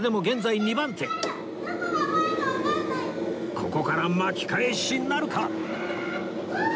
ここから巻き返しなるか？